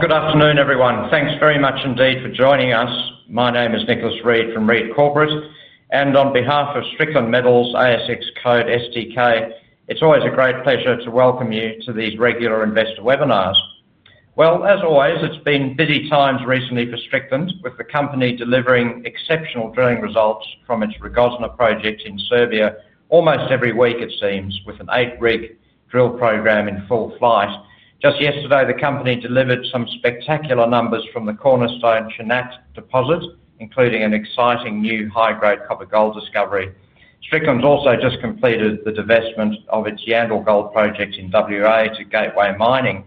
Good afternoon, everyone. Thanks very much indeed for joining us. My name is Nicholas Read from Read Corporate, and on behalf of Strickland Metals, ASX Code: STK, it's always a great pleasure to welcome you to these regular investor webinars. As always, it's been busy times recently for Strickland, with the company delivering exceptional drilling results from its Rogozna Project in Serbia almost every week, it seems, with an eight-rig drill program in full flight. Just yesterday, the company delivered some spectacular numbers from the cornerstone Shanac deposit, including an exciting new high-grade copper-gold discovery. Strickland's also just completed the divestment of its Yandal Gold Project in W.A. to Gateway Mining.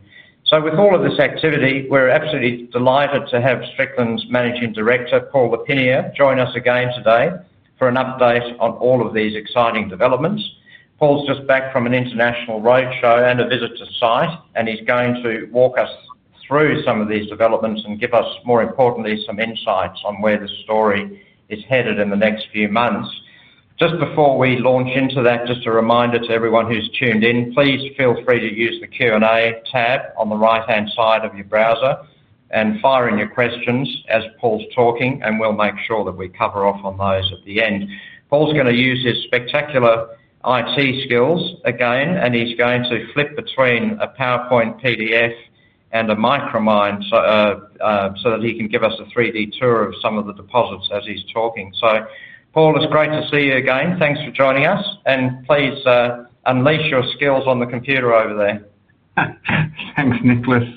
With all of this activity, we're absolutely delighted to have Strickland's Managing Director, Paul L’Herpiniere, join us again today for an update on all of these exciting developments. Paul's just back from an international roadshow and a visit to site, and he's going to walk us through some of these developments and give us, more importantly, some insights on where the story is headed in the next few months. Just before we launch into that, just a reminder to everyone who's tuned in, please feel free to use the Q&A tab on the right-hand side of your browser and fire in your questions as Paul's talking, and we'll make sure that we cover off on those at the end. Paul's going to use his spectacular IT skills again, and he's going to flip between a PowerPoint PDF and a [Micromine] so that he can give us a 3D tour of some of the deposits as he's talking. Paul, it's great to see you again. Thanks for joining us, and please unleash your skills on the computer over there. Thanks, Nicholas.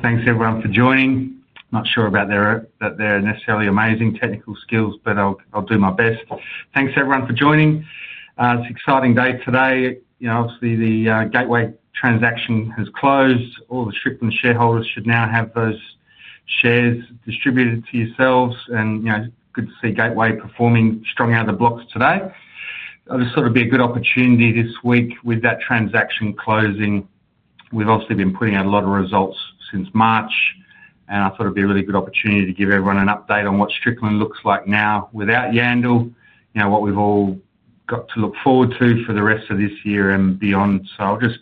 Thanks, everyone, for joining. Not sure about their necessarily amazing technical skills, but I'll do my best. Thanks, everyone, for joining. It's an exciting day today. You know, obviously, the Gateway transaction has closed. All the Strickland shareholders should now have those shares distributed to yourselves, and you know, it's good to see Gateway performing strong out of the blocks today. I just thought it'd be a good opportunity this week with that transaction closing. We've obviously been putting out a lot of results since March, and I thought it'd be a really good opportunity to give everyone an update on what Strickland looks like now without Yandal. You know, what we've all got to look forward to for the rest of this year and beyond. I'll just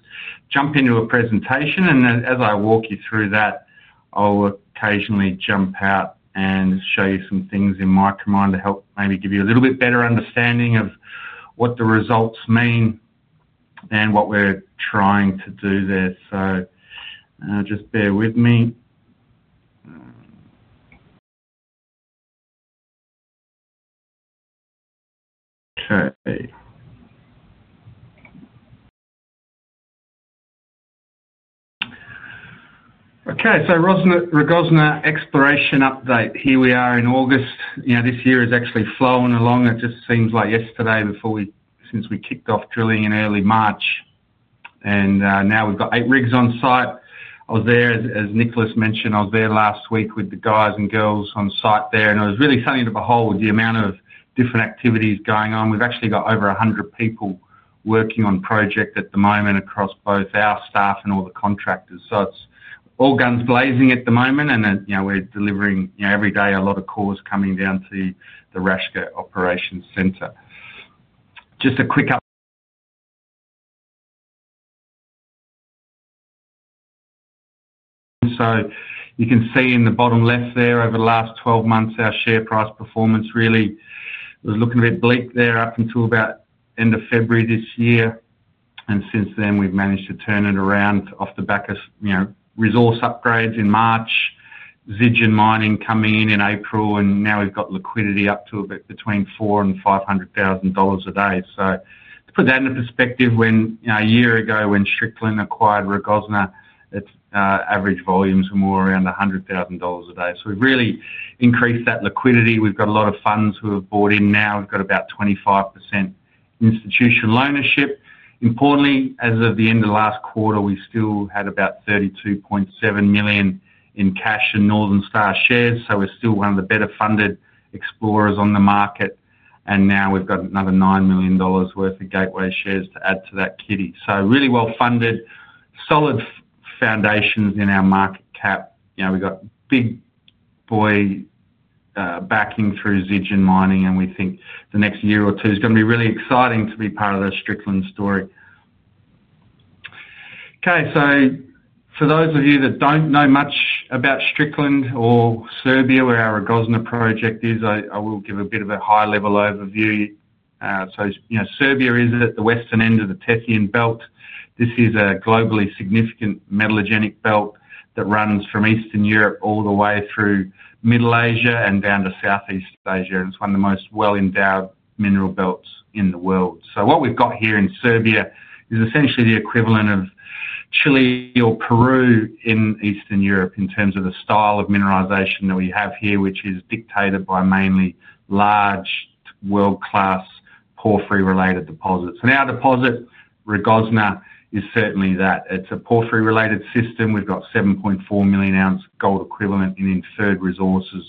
jump into a presentation, and as I walk you through that, I'll occasionally jump out and show you some things in Micromine to help maybe give you a little bit better understanding of what the results mean and what we're trying to do there. Just bear with me. Okay. Okay, so Rogozna exploration update. Here we are in August. You know, this year has actually flown along. It just seems like yesterday since we kicked off drilling in early March, and now we've got eight rigs on site. I was there, as Nicholas mentioned, I was there last week with the guys and girls on site there, and it was really something to behold with the amount of different activities going on. We've actually got over 100 people working on projects at the moment across both our staff and all the contractors. It's all guns blazing at the moment, and you know, we're delivering, you know, every day a lot of cores coming down to the Raška operations center. Just a quick update. You can see in the bottom left there, over the last 12 months, our share price performance really was looking a bit bleak there up until about the end of February this year, and since then, we've managed to turn it around off the back of, you know, resource upgrades in March, Zijin Mining coming in in April, and now we've got liquidity up to a bit between $400,000 and $500,000 a day. To put that into perspective, a year ago, when Strickland acquired Rogozna, its average volumes were more around $100,000 a day. We've really increased that liquidity. We've got a lot of funds who have bought in now. We've got about 25% institutional ownership. Importantly, as of the end of last quarter, we still had about $32.7 million in cash in Northern Star shares. So, we're still one of the better funded explorers on the market, and now we've got another $9 million worth of Gateway shares to add to that kitty. Really well funded, solid foundations in our market cap. We've got a big boy backing through Zijin Mining, and we think the next year or two is going to be really exciting to be part of the Strickland story. For those of you that don't know much about Strickland or Serbia, where our Rogozna project is, I will give a bit of a high-level overview. Serbia is at the western end of the Tethyan belt. This is a globally significant metallurgic belt that runs from Eastern Europe all the way through Middle Asia and down to Southeast Asia. It's one of the most well-endowed mineral belts in the world. What we've got here in Serbia is essentially the equivalent of Chile or Peru in Eastern Europe in terms of the style of mineralization that we have here, which is dictated by mainly large, world-class porphyry-related deposits. Our deposit, Rogozna, is certainly that. It's a porphyry-related system. We've got 7.4 Moz AuEq in inferred resources.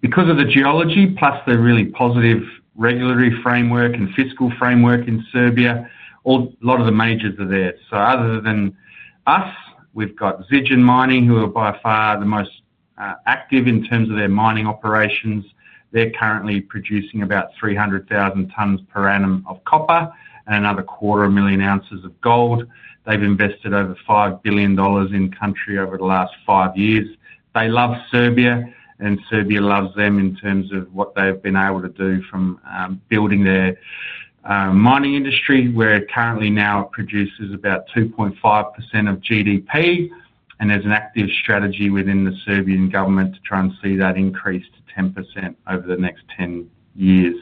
Because of the geology, plus the really positive regulatory framework and fiscal framework in Serbia, a lot of the majors are there. Other than us, we've got Zijin Mining, who are by far the most active in terms of their mining operations. They're currently producing about 300,000 tons per annum of copper and another 250,000 oz of gold. They've invested over $5 billion in the country over the last five years. They love Serbia, and Serbia loves them in terms of what they've been able to do from building their mining industry, where currently now it produces about 2.5% of GDP. There's an active strategy within the Serbian government to try and see that increase to 10% over the next 10 years.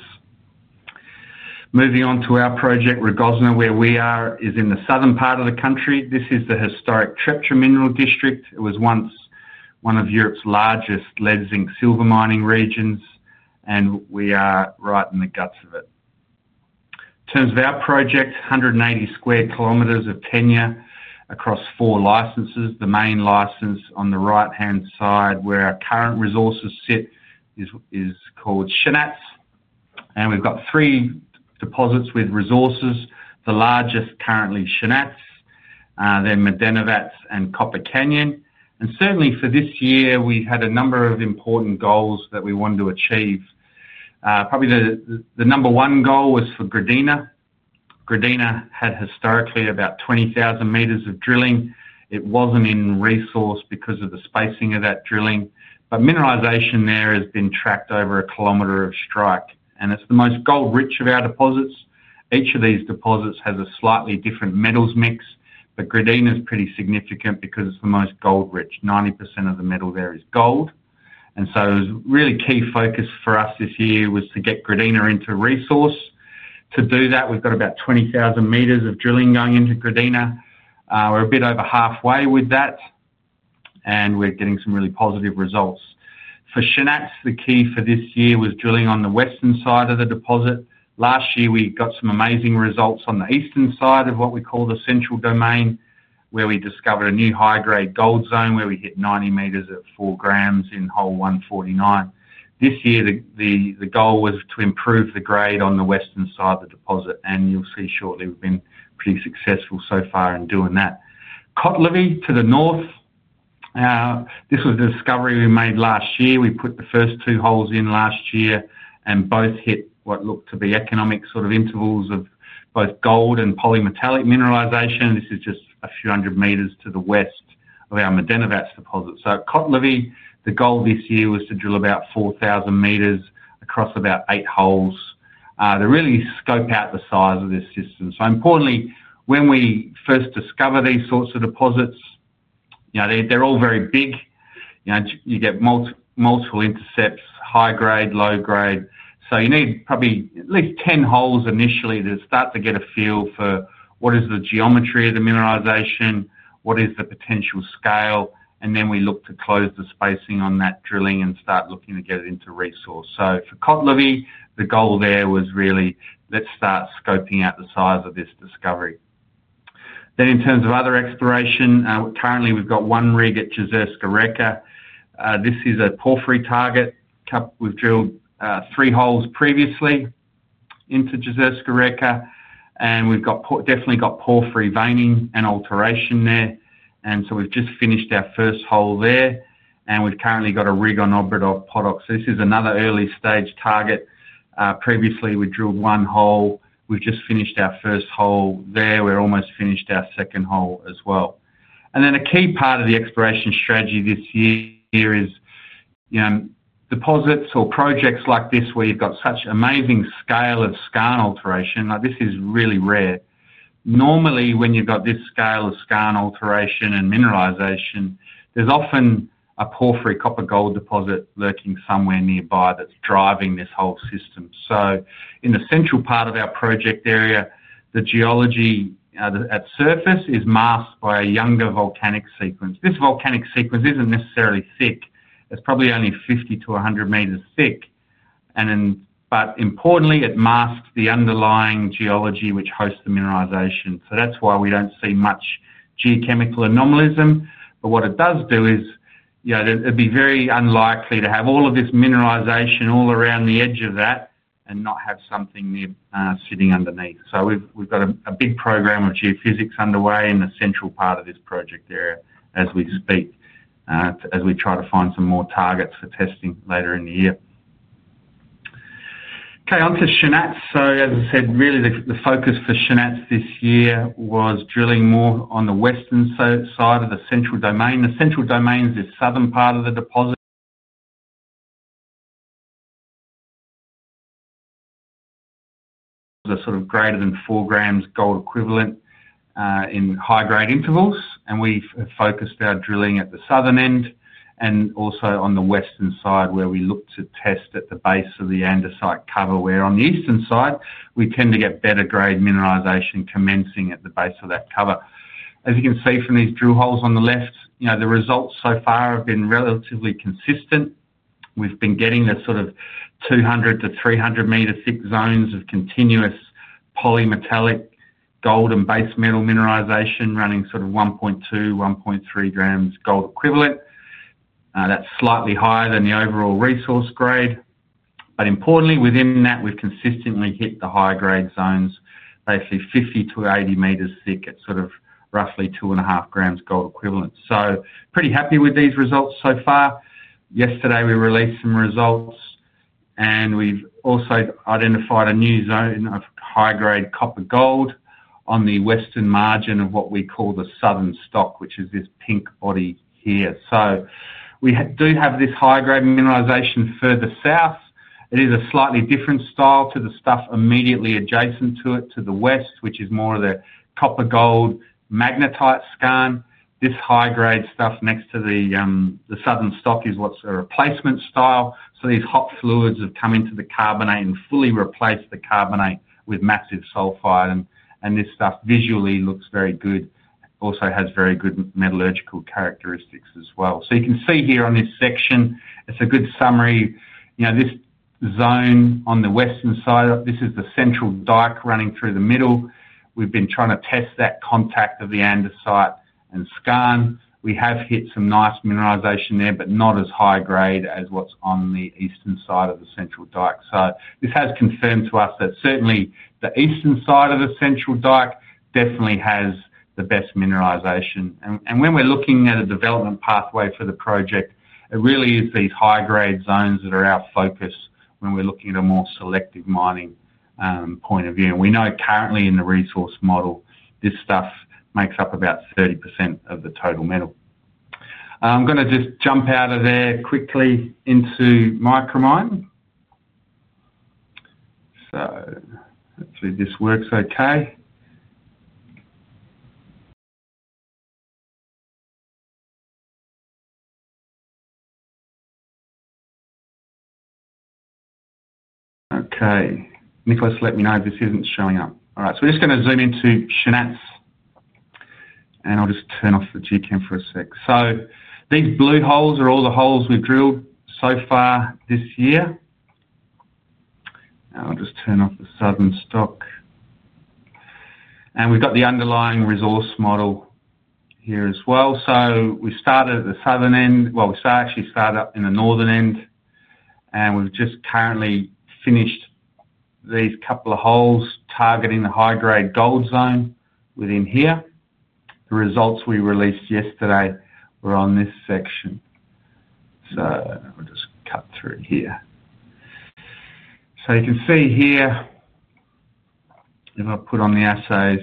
Moving on to our project, Rogozna, where we are, is in the southern part of the country. This is the historic Trepca Mineral District. It was once one of Europe's largest lead zinc silver mining regions, and we are right in the guts of it. In terms of our project, 180 sq km of tenure across four licenses. The main license on the right-hand side, where our current resources sit, is called Shanac, and we've got three deposits with resources, the largest currently Shanac, then Medenovac, and Copper Canyon. For this year, we've had a number of important goals that we wanted to achieve. Probably the number one goal was for Gradina. Gradina had historically about 20,000 m of drilling. It wasn't in resource because of the spacing of that drilling, but mineralization there has been tracked over a kilometer of strike, and it's the most gold-rich of our deposits. Each of these deposits has a slightly different metals mix, but Gradina is pretty significant because it's the most gold-rich. 90% of the metal there is gold. A really key focus for us this year was to get Gradina into resource. To do that, we've got about 20,000 m of drilling going into Gradina. We're a bit over halfway with that, and we're getting some really positive results. For Shanac, the key for this year was drilling on the western side of the deposit. Last year, we got some amazing results on the eastern side of what we call the central domain, where we discovered a new high-grade gold zone where we hit 90 m at 4 g in hole [149]. This year, the goal was to improve the grade on the western side of the deposit, and you'll see shortly we've been pretty successful so far in doing that. Kotlovi to the north, this was the discovery we made last year. We put the first two holes in last year and both hit what looked to be economic sort of intervals of both gold and polymetallic mineralization. This is just a few hundred meters to the west of our Medenovac deposit. Kotlovi, the goal this year was to drill about 4,000 m across about eight holes to really scope out the size of this system. Importantly, when we first discover these sorts of deposits, you know, they're all very big. You get multiple intercepts, high grade, low grade. You need probably at least 10 holes initially to start to get a feel for what is the geometry of the mineralization, what is the potential scale, and then we look to close the spacing on that drilling and start looking to get it into resource. For Kotlovi, the goal there was really let's start scoping out the size of this discovery. In terms of other exploration, currently we've got one rig at Jezerska Reka. This is a porphyry target. We've drilled three holes previously into Jezerska Reka, and we've definitely got porphyry veining and alteration there. We've just finished our first hole there, and we've currently got a rig on Obradov Potok. This is another early stage target. Previously, we drilled one hole. We've just finished our first hole there. We're almost finished our second hole as well. A key part of the exploration strategy this year is deposits or projects like this where you've got such amazing scale of skarn alteration. This is really rare. Normally, when you've got this scale of skarn alteration and mineralization, there's often a porphyry copper-gold deposit lurking somewhere nearby that's driving this whole system. In the central part of our project area, the geology at surface is masked by a younger volcanic sequence. This volcanic sequence isn't necessarily thick. It's probably only 50 m to 100 m thick. Importantly, it masks the underlying geology which hosts the mineralization. That's why we don't see much geochemical anomalism. What it does do is it'd be very unlikely to have all of this mineralization all around the edge of that and not have something sitting underneath. We've got a big program of geophysics underway in the central part of this project area as we speak, as we try to find some more targets for testing later in the year. On to Shanac. As I said, really the focus for Shanac this year was drilling more on the western side of the central domain. The central domain is the southern part of the deposit. The sort of greater than 4 g AuEq in high-grade intervals, and we've focused our drilling at the southern end and also on the western side where we look to test at the base of the andesite cover, where on the eastern side we tend to get better grade mineralization commencing at the base of that cover. As you can see from these drill holes on the left, the results so far have been relatively consistent. We've been getting the sort of 200 m to 300 m thick zones of continuous polymetallic gold and base metal mineralization running sort of 1.2 g AuEq, 1.3 g AuEq. That's slightly higher than the overall resource grade. Importantly, within that, we've consistently hit the high-grade zones, basically 50 m to 80 m thick at roughly 2.5 g AuEq. Pretty happy with these results so far. Yesterday, we released some results, and we've also identified a new zone of high-grade copper-gold on the western margin of what we call the southern stock, which is this pink body here. We do have this high-grade mineralization further south. It is a slightly different style to the stuff immediately adjacent to it to the west, which is more of the copper-gold magnetite skarn. This high-grade stuff next to the southern stock is what's a replacement style. These hot fluids have come into the carbonate and fully replaced the carbonate with massive sulfide, and this stuff visually looks very good. It also has very good metallurgical characteristics as well. You can see here on this section, it's a good summary. This zone on the western side, this is the central dike running through the middle. We've been trying to test that contact of the andesite and skarn. We have hit some nice mineralization there, but not as high-grade as what's on the eastern side of the central dike. This has confirmed to us that certainly the eastern side of the central dike definitely has the best mineralization. When we're looking at a development pathway for the project, it really is these high-grade zones that are our focus when we're looking at a more selective mining point of view. We know currently in the resource model, this stuff makes up about 30% of the total metal. I'm going to just jump out of there quickly into Micromine. Hopefully, this works okay. Nicholas, let me know if this isn't showing up. All right. We're just going to zoom into Shanac, and I'll just turn off the [GCam] for a sec. These blue holes are all the holes we've drilled so far this year. I'll just turn off the southern stock. We've got the underlying resource model here as well. We started at the southern end. We actually started up in the northern end, and we've just currently finished these couple of holes targeting the high-grade gold zone within here. The results we released yesterday were on this section. Now I'll just cut through here. You can see here, if I put on the assays.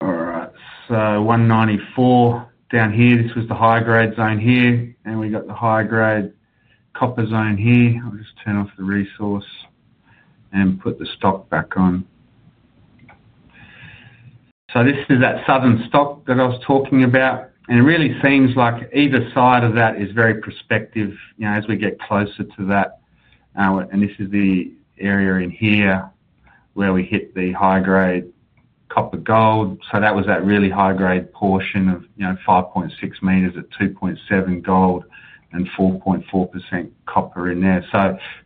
All right. 194 down here, this was the high-grade zone here, and we got the high-grade copper zone here. I'll just turn off the resource and put the stock back on. This is that southern stock that I was talking about, and it really seems like either side of that is very prospective. As we get closer to that, this is the area in here where we hit the high-grade copper-gold. That was that really high-grade portion of 5.6 m at 2.7 gold and 4.4% copper in there.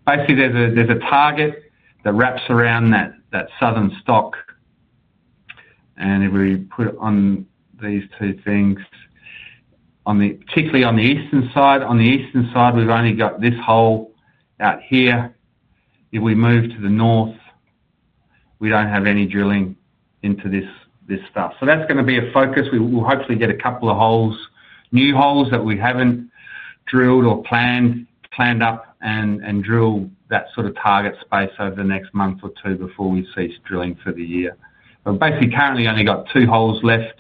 Basically, there's a target that wraps around that southern stock. If we put on these two things, particularly on the eastern side, on the eastern side, we've only got this hole out here. If we move to the north, we don't have any drilling into this stuff. That is going to be a focus. We'll hopefully get a couple of new holes that we haven't drilled or planned up and drill that sort of target space over the next month or two before we cease drilling for the year. Currently, we've only got two holes left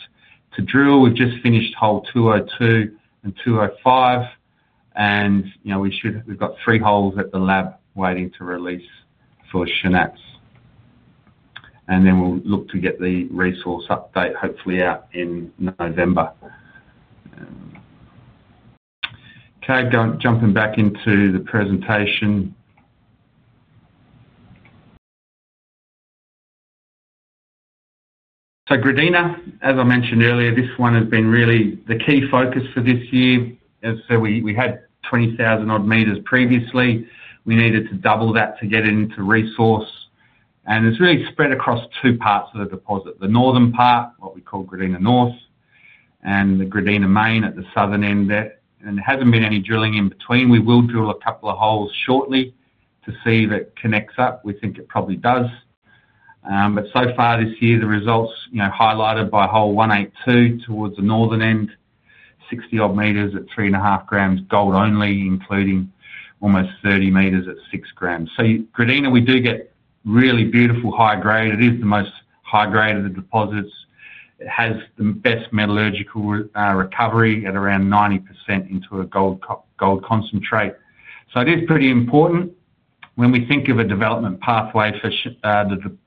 to drill. We've just finished hole 202 and 205. We've got three holes at the lab waiting to release for Shanac. Then we'll look to get the resource update hopefully out in November. Jumping back into the presentation, Gradina, as I mentioned earlier, has been really the key focus for this year. We had 20,000 odd meters previously. We needed to double that to get it into resource. It's really spread across two parts of the deposit: the northern part, what we call Gradina North, and the Gradina Main at the southern end there. There hasn't been any drilling in between. We will drill a couple of holes shortly to see if it connects up. We think it probably does. So far this year, the results, highlighted by hole 182 towards the northern end, 60 odd meters at 3.5 g Au only, including almost 30 m at 6 g. Gradina, we do get really beautiful high grade. It is the most high grade of the deposits. It has the best metallurgical recovery at around 90% into a gold concentrate. It is pretty important when we think of a development pathway for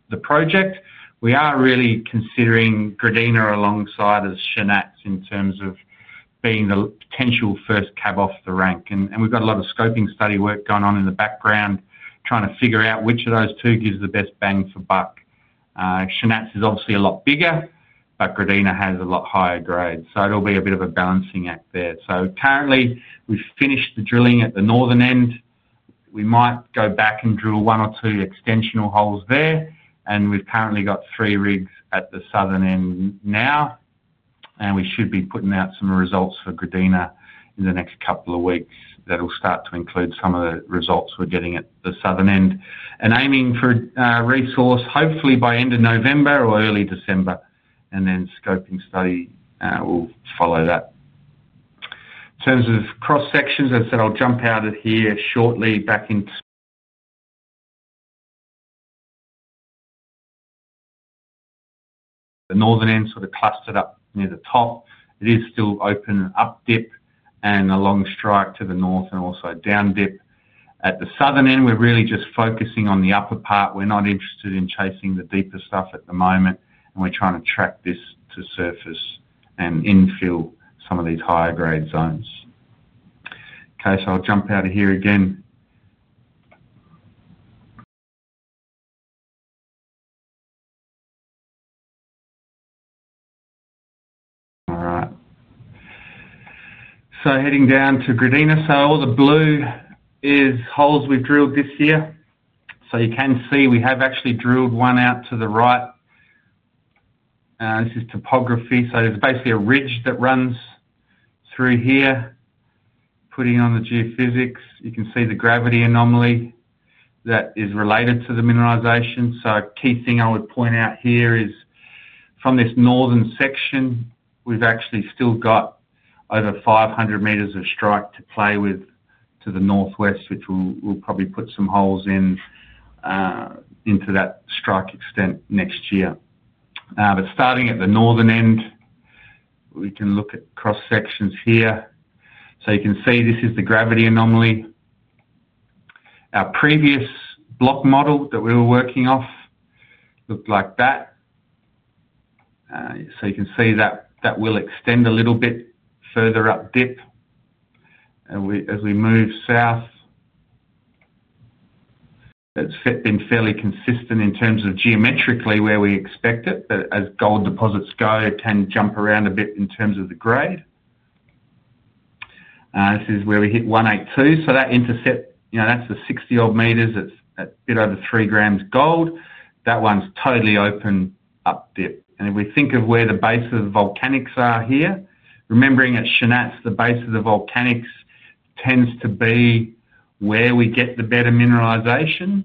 the project. We are really considering Gradina alongside Shanac in terms of being the potential first cab off the rank. We've got a lot of scoping study work going on in the background, trying to figure out which of those two gives the best bang for buck. Shanac is obviously a lot bigger, but Gradina has a lot higher grade. It'll be a bit of a balancing act there. Currently, we've finished the drilling at the northern end. We might go back and drill one or two extensional holes there. We've currently got three rigs at the southern end now. We should be putting out some results for Gradina in the next couple of weeks that will start to include some of the results we're getting at the southern end. We are aiming for a resource, hopefully by end of November or early December. A scoping study will follow that. In terms of cross sections, I said I'll jump out of here shortly back into the northern end, sort of clustered up near the top. It is still open up dip and along strike to the north and also down dip. At the southern end, we're really just focusing on the upper part. We're not interested in chasing the deeper stuff at the moment. We're trying to track this to surface and infill some of these higher grade zones. I'll jump out of here again. Heading down to Gradina, all the blue is holes we've drilled this year. You can see we have actually drilled one out to the right. This is topography. There's basically a ridge that runs through here. Putting on the geophysics, you can see the gravity anomaly that is related to the mineralization. A key thing I would point out here is from this northern section, we've actually still got over 500 m of strike to play with to the northwest, which we'll probably put some holes in into that strike extent next year. Starting at the northern end, we can look at cross sections here. You can see this is the gravity anomaly. Our previous block model that we were working off looked like that. You can see that that will extend a little bit further up dip. As we move south, it's been fairly consistent in terms of geometrically where we expect it. As gold deposits go, it can jump around a bit in terms of the grade. This is where we hit 182. That intercept, that's the 60 odd meters at a bit over 3 g Au. That one's totally open up dip. If we think of where the base of the volcanics are here, remembering at Shanac, the base of the volcanics tends to be where we get the better mineralization.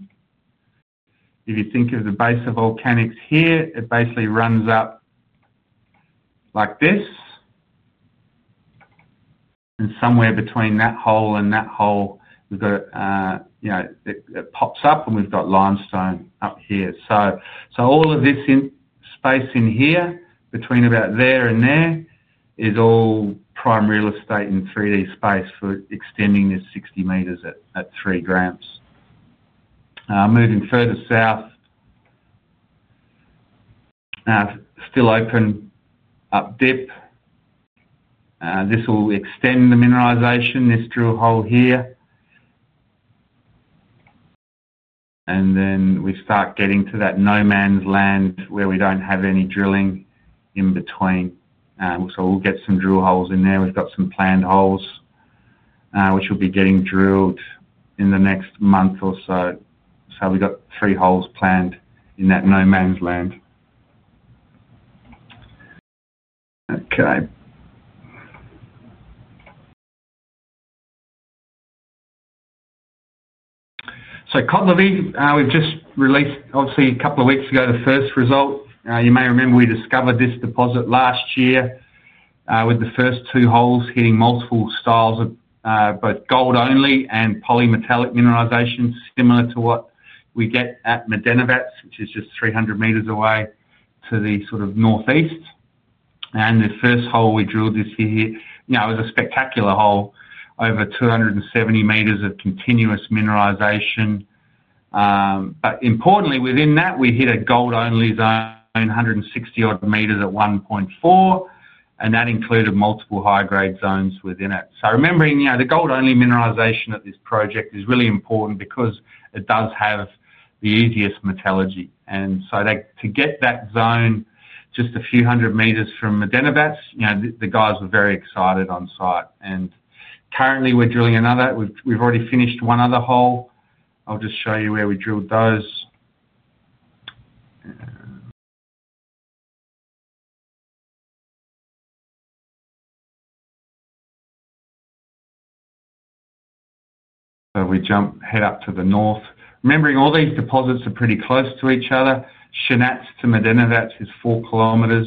If you think of the base of volcanics here, it basically runs up like this. Somewhere between that hole and that hole, it pops up and we've got limestone up here. All of this space in here between about there and there is all prime real estate in 3D space for extending this 60 m at 3 g. Moving further south, still open up dip. This will extend the mineralization, this drill hole here. We start getting to that no man's land where we don't have any drilling in between. We'll get some drill holes in there. We've got some planned holes, which will be getting drilled in the next month or so. We've got three holes planned in that no man's land. Kotlovi, we've just released a couple of weeks ago the first result. You may remember we discovered this deposit last year with the first two holes hitting multiple styles of both gold only and polymetallic mineralization, similar to what we get at Medenovac, which is just 300 m away to the northeast. The first hole we drilled is here, with a spectacular hole over 270 m of continuous mineralization. Importantly, within that, we hit a gold only zone, 160 m at 1.4 g. That included multiple high-grade zones within it. Remembering, the gold only mineralization at this project is really important because it does have the easiest metallurgy. To get that zone just a few hundred meters from Medenovac, the guys were very excited on site. Currently, we're drilling another. We've already finished one other hole. I'll just show you where we drilled those. We jump head up to the north. Remembering, all these deposits are pretty close to each other. Shanac to Medenovac is four kilometers.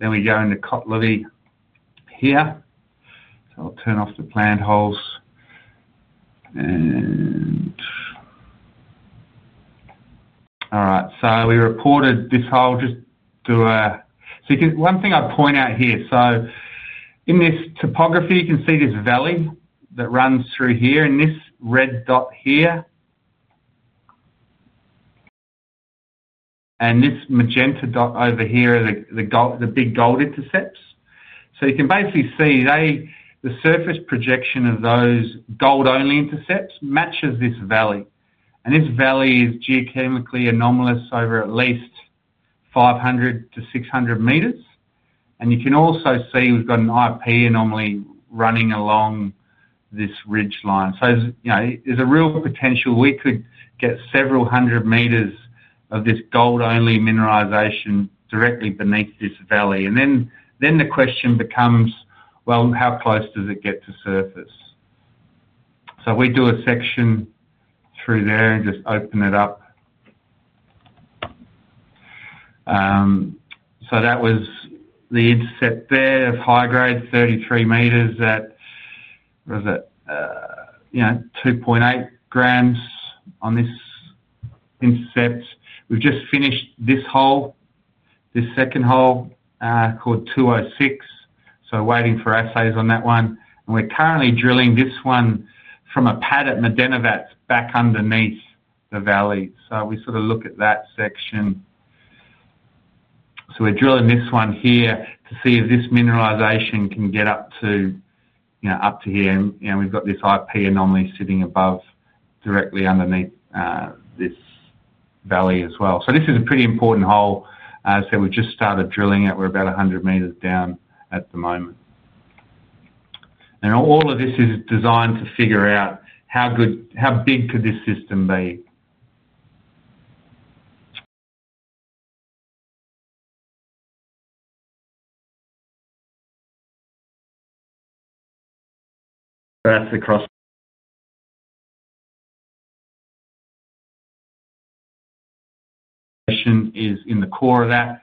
We go into Kotlovi here. I'll turn off the planned holes. We reported this hole just to a... One thing I'd point out here, in this topography, you can see this valley that runs through here and this red dot here. This magenta dot over here are the big gold intercepts. You can basically see the surface projection of those gold only intercepts matches this valley. This valley is geochemically anomalous over at least 500 m to 600 m. You can also see we've got an IP anomaly running along this ridge line. There is a real potential we could get several hundred meters of this gold only mineralization directly beneath this valley. The question becomes, how close does it get to surface? We do a section through there and just open it up. That was the inset there of high grade, 33 m at 2.8 g on this inset. We've just finished this hole, this second hole called 206. Waiting for assays on that one. We're currently drilling this one from a pad at Medenovac back underneath the valley. We sort of look at that section. We're drilling this one here to see if this mineralization can get up to, you know, up to here. We've got this IP anomaly sitting above directly underneath this valley as well. This is a pretty important hole. We've just started drilling it. We're about 100 m down at the moment. All of this is designed to figure out how good, how big could this system be? That's the cross section in the core of that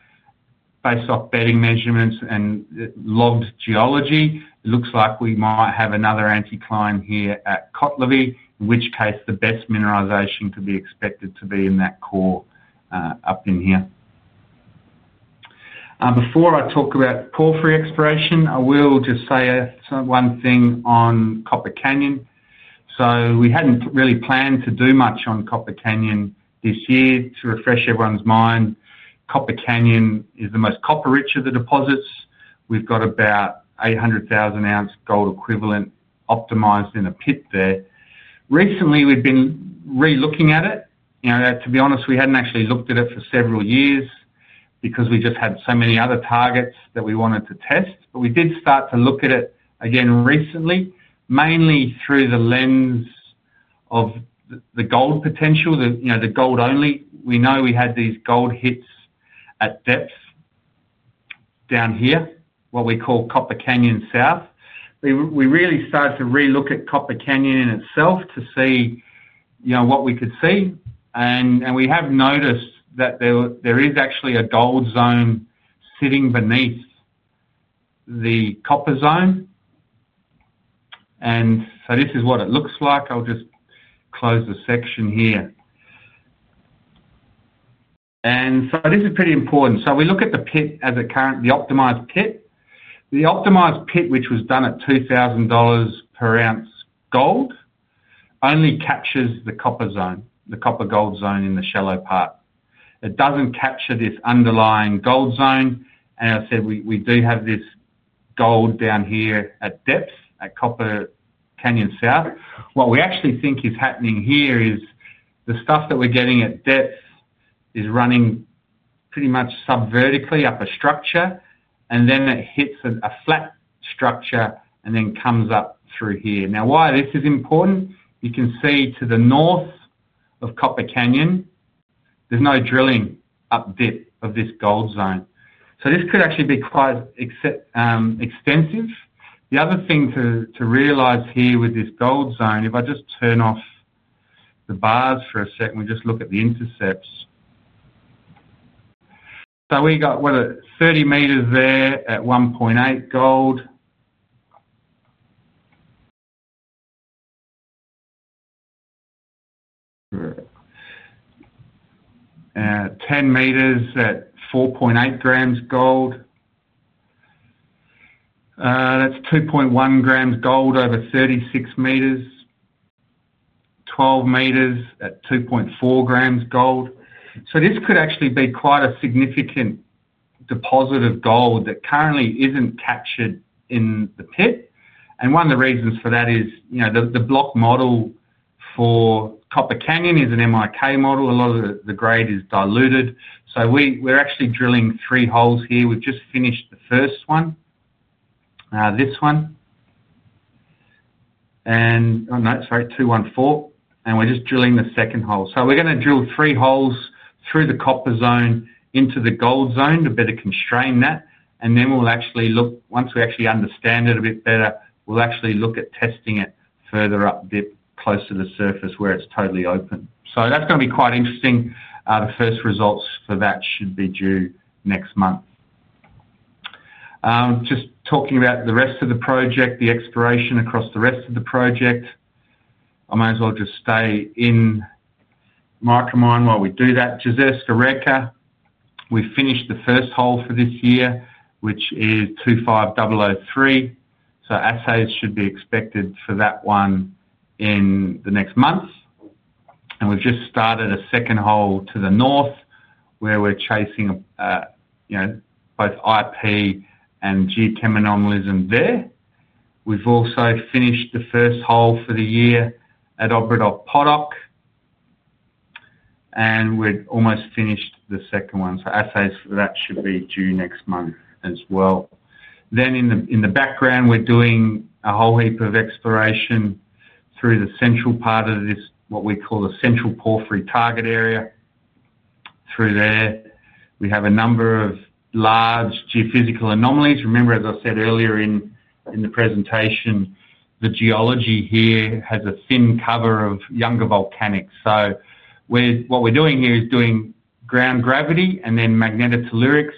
based off bedding measurements and logged geology. It looks like we might have another anticline here at Kotlovi, in which case the best mineralization could be expected to be in that core up in here. Before I talk about porphyry exploration, I will just say one thing on Copper Canyon. We hadn't really planned to do much on Copper Canyon this year to refresh everyone's mind. Copper Canyon is the most copper-rich of the deposits. We've got about 800,000 oz AuEq optimized in a pit there. Recently, we've been re-looking at it. To be honest, we hadn't actually looked at it for several years because we just had so many other targets that we wanted to test. We did start to look at it again recently, mainly through the lens of the gold potential, you know, the gold only. We know we had these gold hits at depth down here, what we call Copper Canyon South. We really started to re-look at Copper Canyon in itself to see, you know, what we could see. We have noticed that there is actually a gold zone sitting beneath the copper zone. This is what it looks like. I'll just close the section here. This is pretty important. We look at the pit as a current, the optimized pit. The optimized pit, which was done at $2,000 per ounce gold, only captures the copper zone, the copper-gold zone in the shallow part. It doesn't capture this underlying gold zone. I said we do have this gold down here at depth at Copper Canyon South. What we actually think is happening here is the stuff that we're getting at depth is running pretty much subvertically up a structure. Then it hits a flat structure and then comes up through here. Why this is important, you can see to the north of Copper Canyon, there's no drilling up bit of this gold zone. This could actually be quite extensive. The other thing to realize here with this gold zone, if I just turn off the bars for a second, we just look at the intercepts. We got what are 30 m there at 1.8 g Au. 10 m at 4.8 g Au. That's 2.1 g Au over 36 m. 12 m at 2.4 g Au. This could actually be quite a significant deposit of gold that currently isn't captured in the pit. One of the reasons for that is the block model for Copper Canyon is an MIK model. A lot of the grade is diluted. We're actually drilling three holes here. We've just finished the first one, this one, and, no, sorry, 214. We're just drilling the second hole. We're going to drill three holes through the copper zone into the gold zone to better constrain that. We'll actually look, once we actually understand it a bit better, at testing it further up dip close to the surface where it's totally open. That's going to be quite interesting. The first results for that should be due next month. Just talking about the rest of the project, the exploration across the rest of the project, I might as well just stay in Micromine while we do that. Jezerska Reka, we finished the first hole for this year, which is 25,003. Assays should be expected for that one in the next month. We've just started a second hole to the north where we're chasing both IP and geochemical anomaly there. We've also finished the first hole for the year at Obradov Potok, and we've almost finished the second one. Assays for that should be due next month as well. In the background, we're doing a whole heap of exploration through the central part of this, what we call the central porphyry target area. Through there, we have a number of large geophysical anomalies. Remember, as I said earlier in the presentation, the geology here has a thin cover of younger volcanics. What we're doing here is ground gravity and then magnetolytics.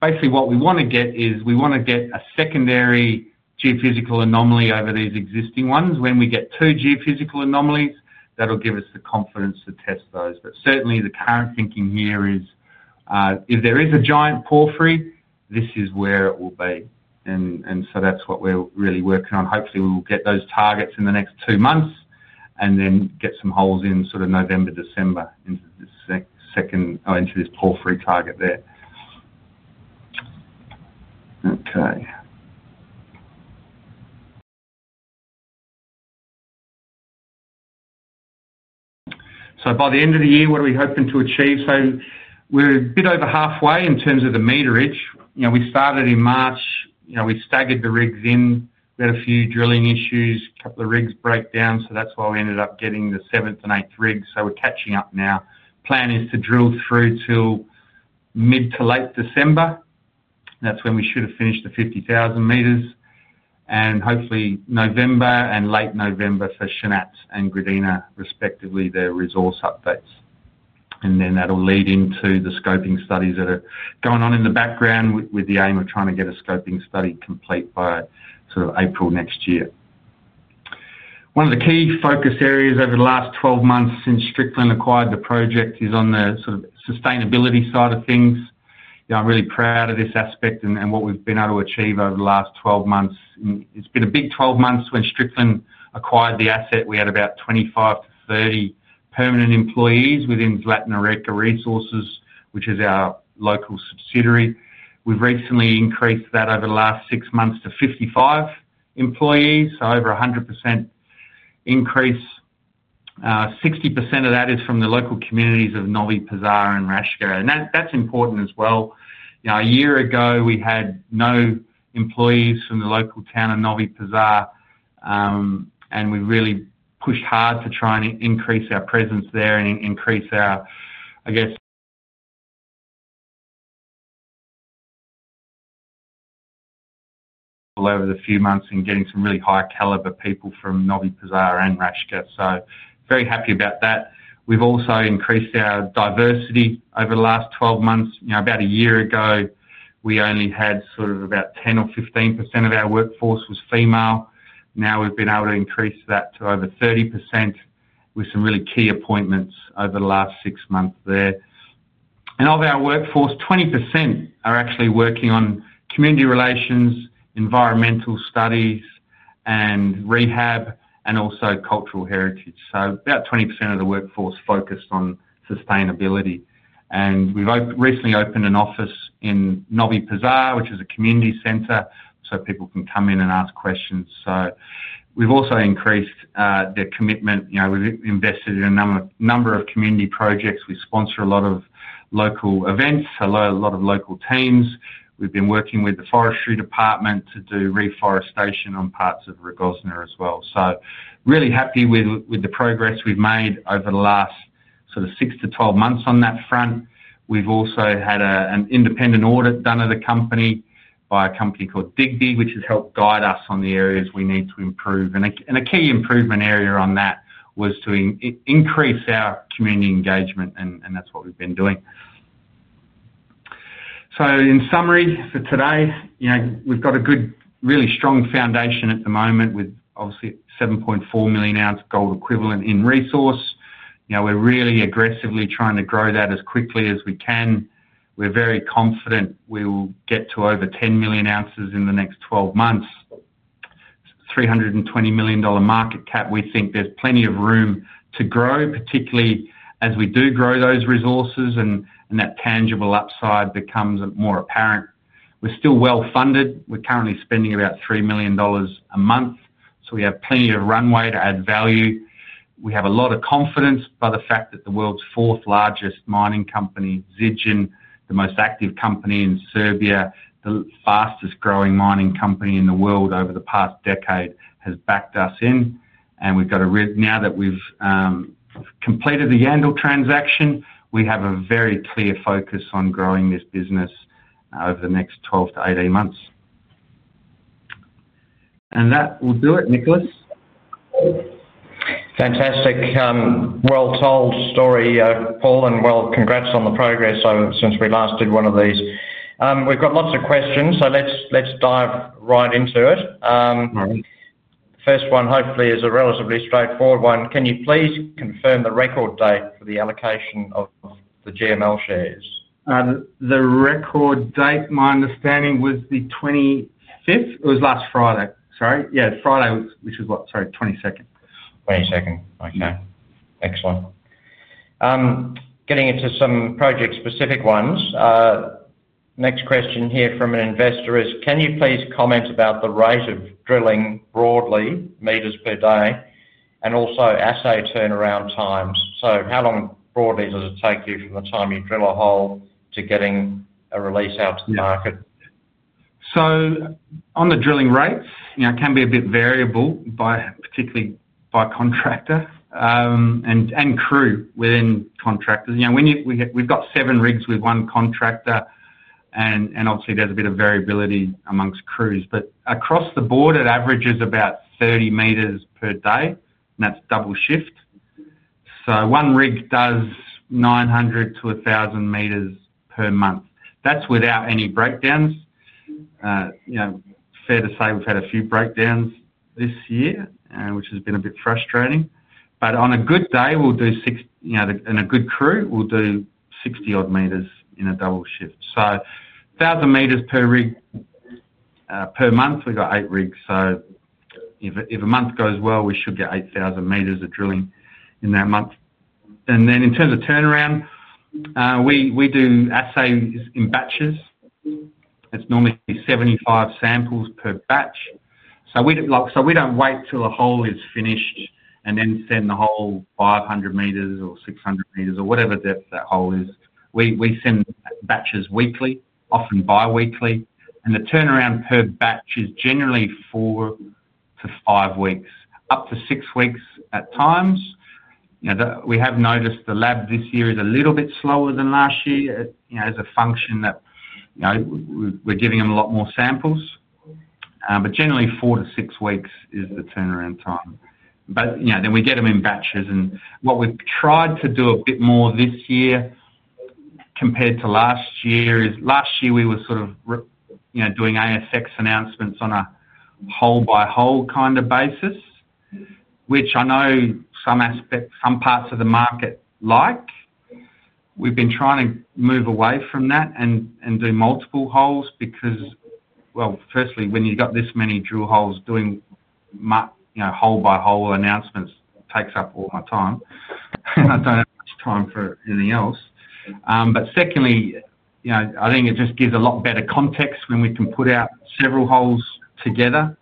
Basically, what we want to get is a secondary geophysical anomaly over these existing ones. When we get two geophysical anomalies, that'll give us the confidence to test those. Certainly, the current thinking here is if there is a giant porphyry, this is where it will be. That's what we're really working on. Hopefully, we'll get those targets in the next two months and then get some holes in November, December into this second or into this porphyry target there. By the end of the year, what are we hoping to achieve? We're a bit over halfway in terms of the meterage. We started in March. We've staggered the rigs in. We had a few drilling issues. A couple of rigs broke down, so that's why we ended up getting the seventh and eighth rig. We're catching up now. The plan is to drill through till mid to late December. That's when we should have finished the 50,000 m. Hopefully, November and late November for Shanac and Gradina, respectively, their resource updates. That'll lead into the scoping studies that are going on in the background with the aim of trying to get a scoping study complete by sort of April next year. One of the key focus areas over the last 12 months since Strickland acquired the project is on the sort of sustainability side of things. I'm really proud of this aspect and what we've been able to achieve over the last 12 months. It's been a big 12 months when Strickland Metals Limited acquired the asset. We had about 25-30 permanent employees within Zlatna Reka Resources, which is our local subsidiary. We've recently increased that over the last six months to 55 employees, so over 100% increase. 60% of that is from the local communities of Novi Pazar and Raška, and that's important as well. A year ago, we had no employees from the local town of Novi Pazar. We really pushed hard to try and increase our presence there and increase our, I guess, over the few months in getting some really high caliber people from Novi Pazar and Raška. Very happy about that. We've also increased our diversity over the last 12 months. About a year ago, we only had sort of about 10% or 15% of our workforce was female. Now, we've been able to increase that to over 30% with some really key appointments over the last six months there. Of our workforce, 20% are actually working on community relations, environmental studies, and rehab, and also cultural heritage. About 20% of the workforce is focused on sustainability. We've recently opened an office in Novi Pazar, which is a community center, so people can come in and ask questions. We've also increased their commitment. We've invested in a number of community projects. We sponsor a lot of local events, a lot of local teams. We've been working with the forestry department to do reforestation on parts of Rogozna as well. Really happy with the progress we've made over the last sort of 6 to 12 months on that front. We've also had an independent audit done at the company by a company called Digbee, which has helped guide us on the areas we need to improve. A key improvement area on that was to increase our community engagement, and that's what we've been doing. In summary for today, we've got a good, really strong foundation at the moment with obviously 7.4 Moz AuEq in resource. We're really aggressively trying to grow that as quickly as we can. We're very confident we will get to over 10 Moz in the next 12 months. A $320 million market cap, we think there's plenty of room to grow, particularly as we do grow those resources and that tangible upside becomes more apparent. We're still well funded. We're currently spending about $3 million a month, so we have plenty of runway to add value. We have a lot of confidence by the fact that the world's fourth largest mining company, Zijin Mining, the most active company in Serbia, the fastest growing mining company in the world over the past decade, has backed us in. Now that we've completed the Yandal transaction, we have a very clear focus on growing this business over the next 12 to 18 months. That will do it, Nicholas. Fantastic. Well-told story, Paul, and congrats on the progress since we last did one of these. We've got lots of questions, so let's dive right into it. First one, hopefully, is a relatively straightforward one. Can you please confirm the record date for the allocation of the GML shares? The record date, my understanding, was the 25th. It was last Friday. Sorry, Friday, which was, what, sorry, 22nd. 22nd. Okay. Excellent. Getting into some project-specific ones. Next question here from an investor is, can you please comment about the rate of drilling broadly, meters per day, and also assay turnaround time? How long broadly does it take you from the time you drill a hole to getting a release out to the market? On the drilling rates, it can be a bit variable, particularly by contractor and crew within contractors. When we've got seven rigs with one contractor, there's a bit of variability amongst crews, but across the board, it averages about 30 m per day, and that's double shift. One rig does 900 m to 1,000 m per month. That's without any breakdowns. We've had a few breakdowns this year, which has been a bit frustrating. On a good day, a good crew will do 60 odd meters in a double shift. So, 1,000 m per rig per month, we've got eight rigs. If a month goes well, we should get 8,000 m of drilling in that month. In terms of turnaround, we do assays in batches. It's normally 75 samples per batch. We don't wait till a hole is finished and then send the whole 500 m or 600 m or whatever depth that hole is. We send batches weekly, often biweekly, and the turnaround per batch is generally four to five weeks, up to six weeks at times. We have noticed the lab this year is a little bit slower than last year as a function that we're giving them a lot more samples. Generally, four to six weeks is the turnaround time. We get them in batches. What we've tried to do a bit more this year compared to last year is, last year we were sort of doing ASX announcements on a hole by hole kind of basis, which I know some aspects, some parts of the market liked. We've been trying to move away from that and do multiple holes because, firstly, when you've got this many drill holes, doing hole by hole announcements takes up all my time, and I don't have much time for anything else. Secondly, I think it just gives a lot better context when we can put out several holes together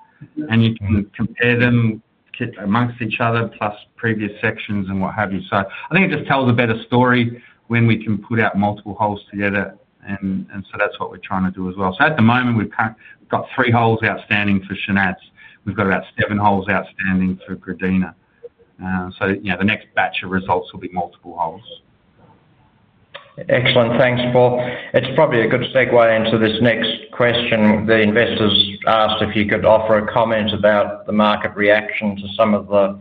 and you can compare them amongst each other, plus previous sections and what have you. I think it just tells a better story when we can put out multiple holes together, and that's what we're trying to do as well. At the moment, we've got three holes outstanding for Shanac. We've got about seven holes outstanding for Gradina. The next batch of results will be multiple holes. Excellent. Thanks, Paul. It's probably a good segue into this next question. The investors asked if you could offer a comment about the market reaction to some of the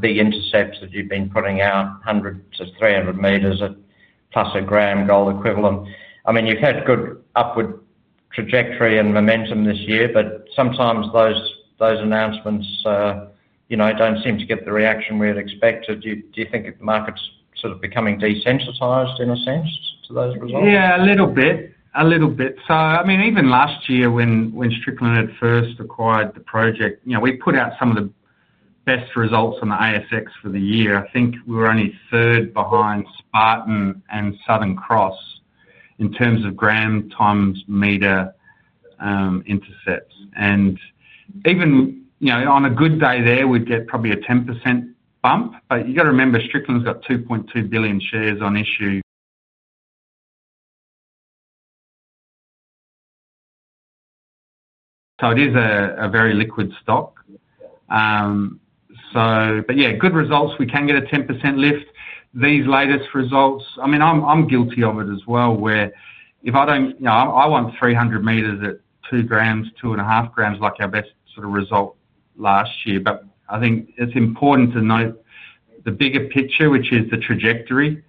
big intercepts that you've been putting out, 100 m to 300 m at plus a gram gold equivalent. I mean, you've had good upward trajectory and momentum this year, but sometimes those announcements don't seem to get the reaction we had expected. Do you think the market's sort of becoming desensitized in a sense for those results? Yeah, a little bit. A little bit. I mean, even last year when Strickland had first acquired the project, we put out some of the best results on the ASX for the year. I think we were only third behind [Spartan] and Southern Cross in terms of gram times meter intercepts. Even on a good day there, we'd get probably a 10% bump. You've got to remember, Strickland's got 2.2 billion shares on issue. It is a very liquid stock. Good results, we can get a 10% lift. These latest results, I'm guilty of it as well, where if I don't, I want 300 m at 2 g, 2.5 g like our best sort of result last year. I think it's important to note the bigger picture, which is the trajectory.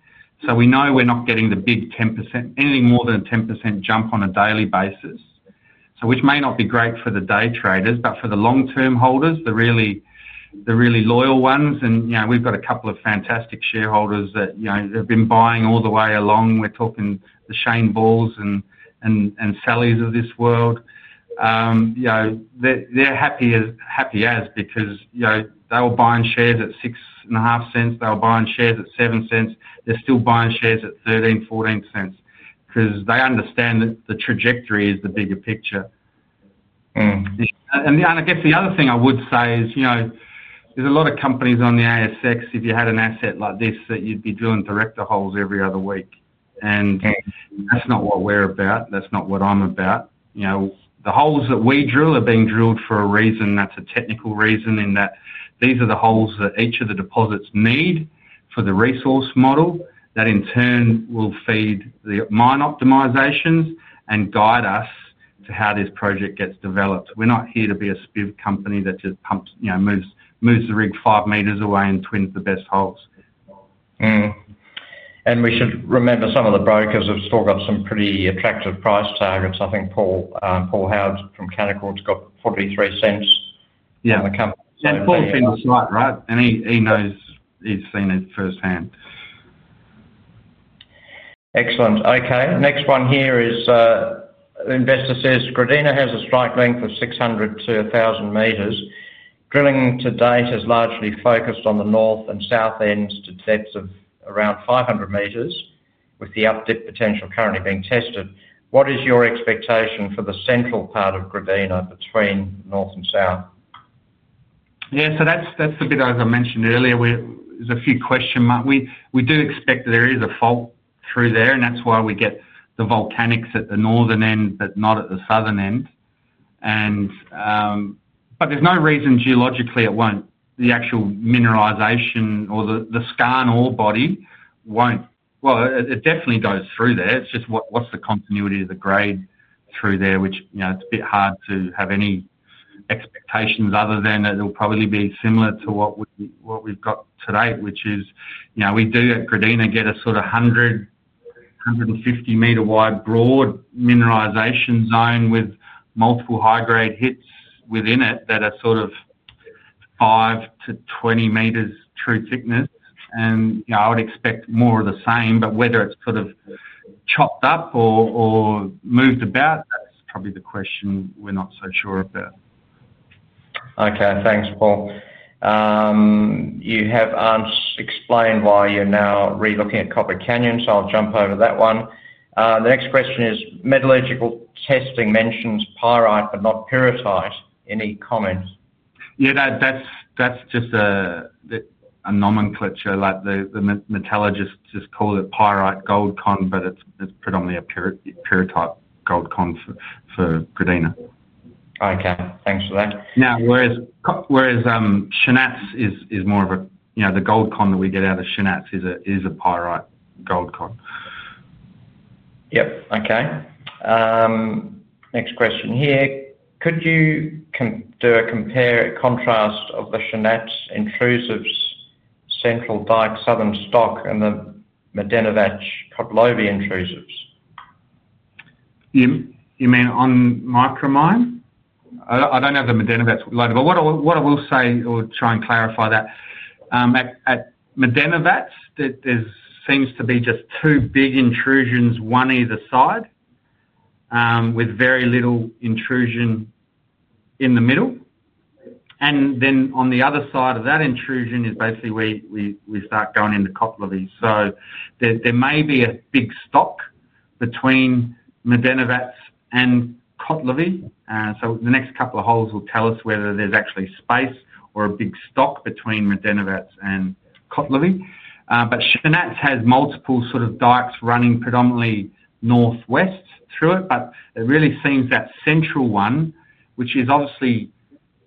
We know we're not getting the big 10%, anything more than a 10% jump on a daily basis, which may not be great for the day traders, for the long-term holders, the really loyal ones. We've got a couple of fantastic shareholders that, they've been buying all the way along. We're talking the Shane Bulls and Sally's of this world. They're happy as happy as because they were buying shares at $0.065. They were buying shares at $0.07. They're still buying shares at $0.13, $0.14 because they understand that the trajectory is the bigger picture. The other thing I would say is, there are a lot of companies on the ASX. If you had an asset like this, you'd be drilling director holes every other week. That's not what we're about. That's not what I'm about. The holes that we drill are being drilled for a reason. That's a technical reason in that these are the holes that each of the deposits need for the resource model that in turn will feed the mine optimizations and guide us to how this project gets developed. We're not here to be a spiff company that just pumps, moves the rig 5 m away and twins the best holes. We should remember some of the brokers have still got some pretty attractive price targets. I think Paul Howard from Canaccord's got $0.43. Yeah. And Paul's been sharp, right? He knows, he's seen it firsthand. Excellent. Okay. Next one here is investor says, "Gradina has a strike length of 600 m to 1,000 m. Drilling to date has largely focused on the north and south ends to depths of around 500 m with the update potential currently being tested. What is your expectation for the central part of Gradina between north and south? Yeah, so that's a bit, as I mentioned earlier, there's a few question marks. We do expect that there is a fault through there, and that's why we get the volcanics at the northern end, not at the southern end. There's no reason geologically it won't. The actual mineralization or the skarn ore body goes through there. It's just what's the continuity of the grade through there, which, you know, it's a bit hard to have any expectations other than that it'll probably be similar to what we've got today, which is, you know, we do at Gradina get a sort of 100 m, 150 m wide broad mineralization zone with multiple high-grade hits within it that are sort of 5 m to 20 m true thickness. I would expect more of the same, but whether it's sort of chopped up or moved about, that's probably the question we're not so sure about. Okay, thanks, Paul. You haven't explained why you're now re-looking at Copper Canyon, so I'll jump over that one. The next question is, "Metallurgical testing mentions pyrite but not pyrrhotite. Any comments? Yeah, that's just a nomenclature. The metallurgists just call it pyrite goldcon, but it's predominantly a pyrite goldcon for Gradina. Okay, thanks for that. Now, whereas Shanac is more of a, you know, the goldcon that we get out of Shanac is a pyrite goldcon. Yep, okay. Next question here. "Could you do a compare and contrast of the Shanac intrusives, central dike southern stock, and the Medenovac Kotlovi intrusives? You mean on Micromine? I don't have the Medenovac loaded, but what I will say, I'll try and clarify that. At Medenovac, there seems to be just two big intrusions, one either side, with very little intrusion in the middle. On the other side of that intrusion, we basically start going into Kotlovi. There may be a big stock between Medenovac and Kotlovi. The next couple of holes will tell us whether there's actually space or a big stock between Medenovac and Kotlovi. Shanac has multiple sort of dikes running predominantly northwest through it. It really seems that central one, which is obviously,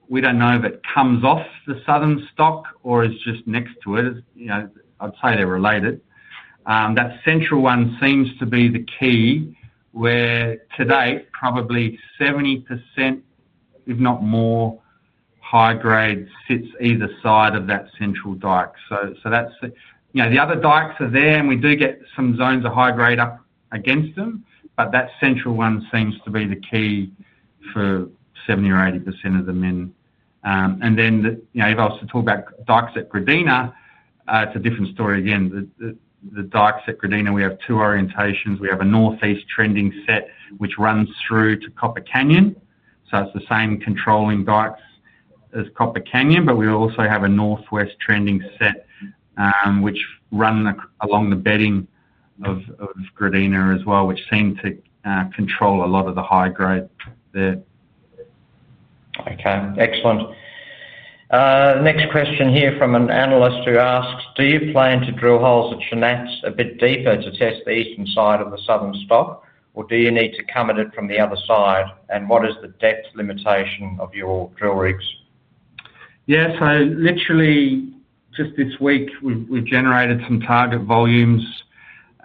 we don't know if it comes off the southern stock or is just next to it. I'd say they're related. That central one seems to be the key where today probably 70%, if not more, high grade sits either side of that central dike. The other dikes are there and we do get some zones of high grade up against them. That central one seems to be the key for 70% or 80% of them in. If I was to talk about dikes at Gradina, it's a different story again. The dikes at Gradina, we have two orientations. We have a northeast trending set which runs through to Copper Canyon. It's the same controlling dikes as Copper Canyon, but we also have a northwest trending set which runs along the bedding of Gradina as well, which seem to control a lot of the high grade there. Okay, excellent. Next question here from an analyst who asks, "Do you plan to drill holes at Shanac a bit deeper to test the eastern side of the southern stock, or do you need to come at it from the other side? What is the depth limitation of your drill rigs? Yeah, so literally just this week we've generated some target volumes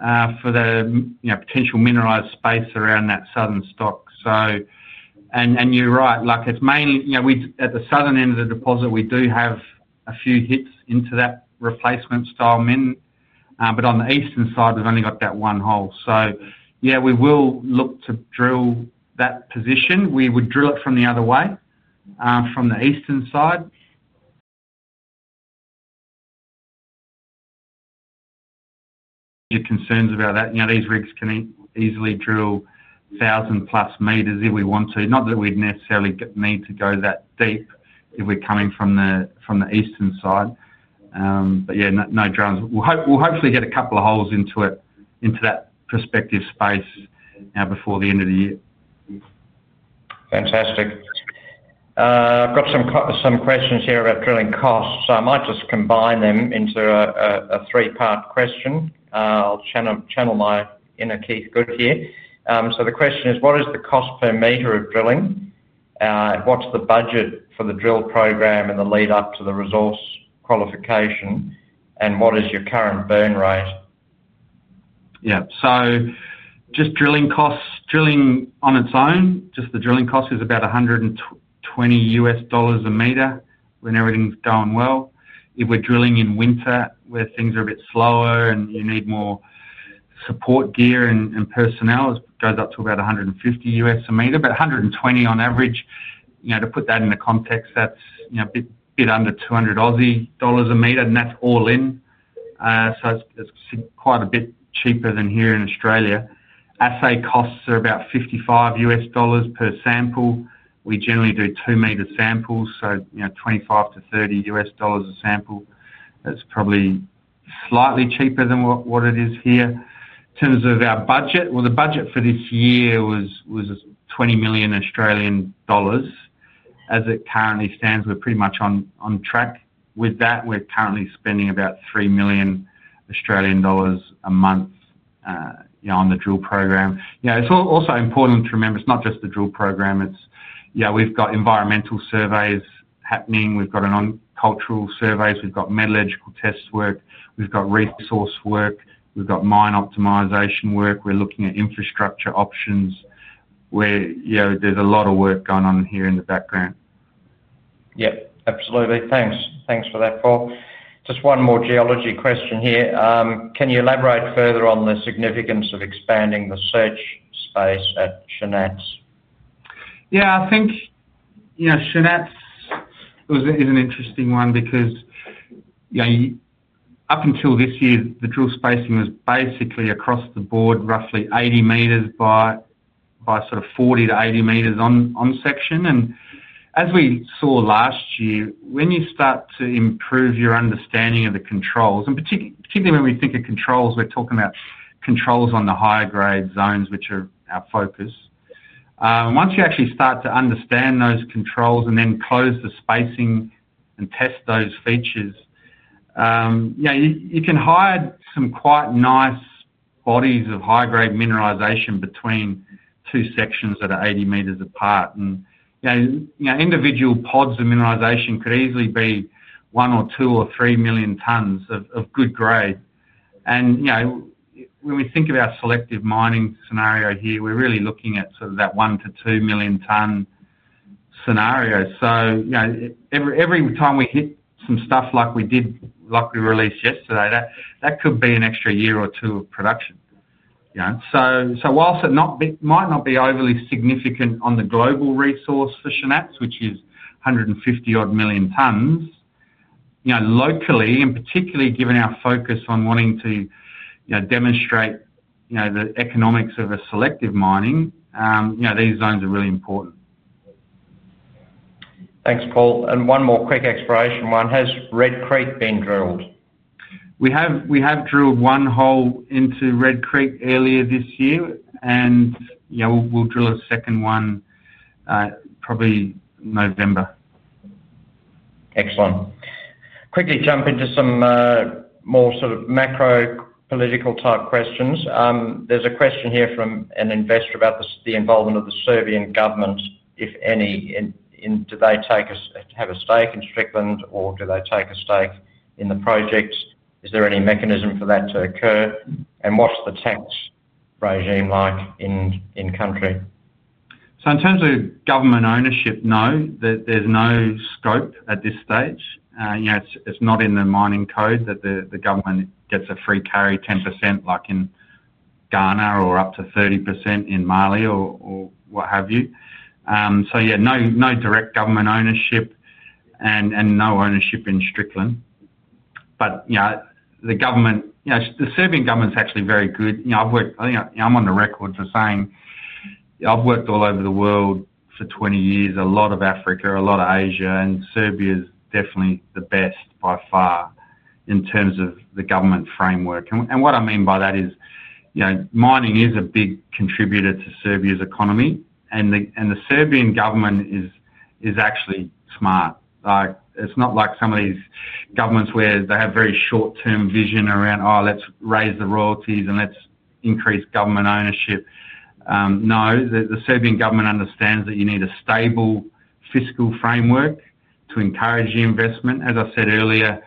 for the potential mineralized space around that southern stock. You're right, like it's mainly, you know, at the southern end of the deposit we do have a few hits into that replacement style min. On the eastern side we've only got that one hole. We will look to drill that position. We would drill it from the other way, from the eastern side. You're concerned about that. These rigs can easily drill 1,000+ m if we want to. Not that we'd necessarily need to go that deep if we're coming from the eastern side. No drills. We'll hopefully get a couple of holes into it, into that prospective space now before the end of the year. Fantastic. I've got some questions here about drilling costs. I might just combine them into a three-part question. I'll channel my inner Keith Goods here. The question is, "What is the cost per meter of drilling? What's the budget for the drill program and the lead up to the resource qualification? What is your current burn rate? Yeah, so just drilling costs, drilling on its own, just the drilling cost is about $120 a meter. When everything's going well, if we're drilling in winter where things are a bit slower and you need more support gear and personnel, it goes up to about $150 a meter, but $120 on average. You know, to put that in the context, that's a bit under 200 Aussie dollars a meter, and that's all in. It's quite a bit cheaper than here in Australia. Assay costs are about $55 per sample. We generally do two meter samples, so $25-$30 a sample. That's probably slightly cheaper than what it is here. In terms of our budget, the budget for this year was 20 million Australian dollars. As it currently stands, we're pretty much on track with that. We're currently spending about 3 million Australian dollars a month on the drill program. You know, it's also important to remember it's not just the drill program. We've got environmental surveys happening. We've got on-cultural surveys. We've got metallurgical test work. We've got resource work. We've got mine optimization work. We're looking at infrastructure options. There's a lot of work going on here in the background. Yep, absolutely. Thanks. Thanks for that, Paul. Just one more geology question here. Can you elaborate further on the significance of expanding the search space at Shanac? Yeah, I think Shanac is an interesting one because up until this year, the drill spacing was basically across the board, roughly 80 m by sort of 40 m to 80 m on section. As we saw last year, when you start to improve your understanding of the controls, and particularly when we think of controls, we're talking about controls on the higher grade zones, which are our focus. Once you actually start to understand those controls and then close the spacing and test those features, you can hide some quite nice bodies of high-grade mineralization between two sections that are 80 m apart. Individual pods of mineralization could easily be 1 or 2 or 3 million tons of good grade. When we think about selective mining scenario here, we're really looking at sort of that 1-2 million ton scenario. Every time we hit some stuff like we did, like we released yesterday, that could be an extra year or two of production. Whilst it might not be overly significant on the global resource for Shanac, which is 150 million tons, locally, and particularly given our focus on wanting to demonstrate the economics of a selective mining, these zones are really important. Thanks, Paul. One more quick exploration one. Has Red Creek been drilled? We have drilled one hole into Red Creek earlier this year, and we'll drill a second one probably in November. Excellent. Quickly jump into some more sort of macro political type questions. There's a question here from an investor about the involvement of the Serbian government, if any, and do they take us, have a stake in Strickland, or do they take a stake in the project? Is there any mechanism for that to occur? What's the tax regime like in country? In terms of government ownership, no, there's no scope at this stage. It's not in the mining code that the government gets a free carry 10% like in Ghana or up to 30% in Mali or what have you. No direct government ownership and no ownership in Strickland. The Serbian government's actually very good. I think I'm on the record for saying I've worked all over the world for 20 years, a lot of Africa, a lot of Asia, and Serbia is definitely the best by far in terms of the government framework. What I mean by that is mining is a big contributor to Serbia's economy, and the Serbian government is actually smart. It's not like some of these governments where they have very short-term vision around, oh, let's raise the royalties and let's increase government ownership. The Serbian government understands that you need a stable fiscal framework to encourage the investment. As I said earlier,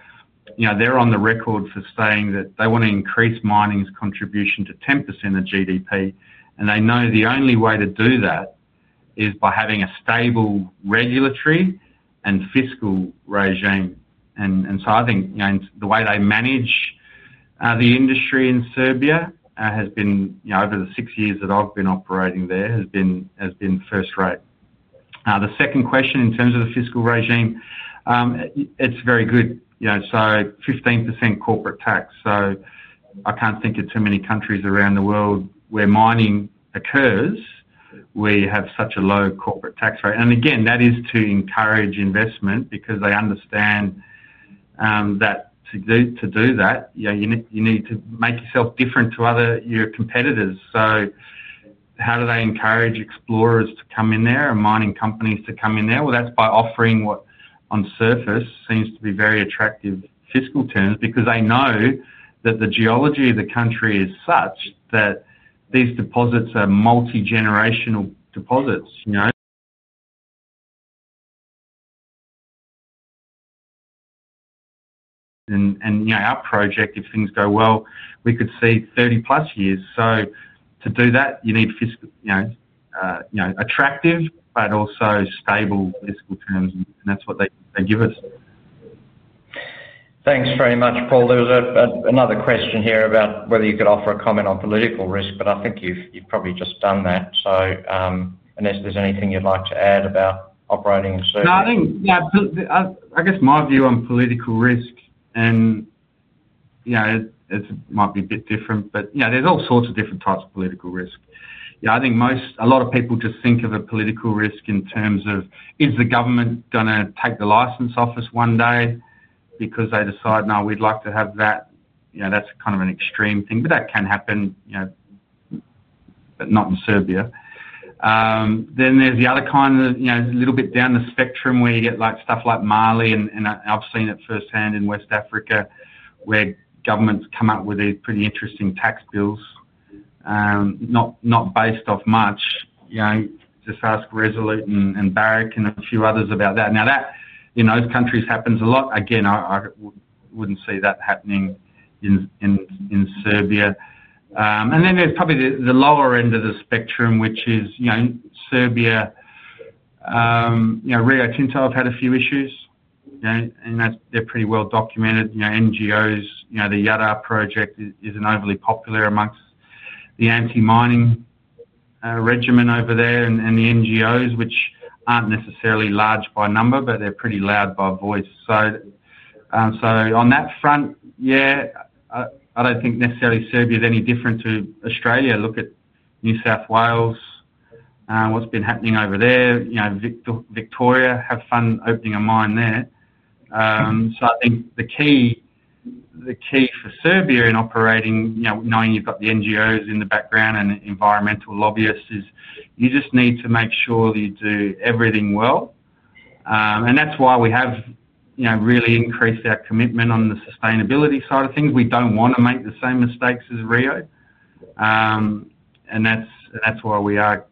they're on the record for saying that they want to increase mining's contribution to 10% of GDP, and they know the only way to do that is by having a stable regulatory and fiscal regime. I think the way they manage the industry in Serbia has been, over the six years that I've been operating there, first rate. The second question in terms of the fiscal regime, it's very good. 15% corporate tax. I can't think of too many countries around the world where mining occurs, we have such a low corporate tax rate. Again, that is to encourage investment because they understand that to do that, you need to make yourself different to your competitors. How do they encourage explorers to come in there and mining companies to come in there? That's by offering what on surface seems to be very attractive fiscal terms because they know that the geology of the country is such that these deposits are multi-generational deposits. Our project, if things go well, we could see 30+ years. To do that, you need fiscal, attractive, but also stable fiscal terms. That's what they give us. Thanks very much, Paul. There was another question here about whether you could offer a comment on political risk, but I think you've probably just done that. Unless there's anything you'd like to add about operating in Serbia. I think my view on political risk, and it might be a bit different, but there's all sorts of different types of political risk. I think a lot of people just think of political risk in terms of, is the government going to take the license off us one day because they decide, no, we'd like to have that. That's kind of an extreme thing, but that can happen, but not in Serbia. Then there's the other kind, a little bit down the spectrum where you get stuff like Mali, and I've seen it firsthand in West Africa where governments come up with these pretty interesting tax bills, not based off much. Just ask Resolute and Barrick and a few others about that. In those countries, that happens a lot. Again, I wouldn't see that happening in Serbia. There's probably the lower end of the spectrum, which is Serbia. Rio Tinto have had a few issues, and they're pretty well documented. NGOs, the Yandal project isn't overly popular amongst the anti-mining regimen over there and the NGOs, which aren't necessarily large by number, but they're pretty loud by voice. On that front, I don't think necessarily Serbia is any different to Australia. Look at New South Wales, what's been happening over there. Victoria, have fun opening a mine there. I think the key for Serbia in operating, knowing you've got the NGOs in the background and environmental lobbyists, is you just need to make sure that you do everything well. That's why we have really increased our commitment on the sustainability side of things. We don't want to make the same mistakes as Rio. That's why we are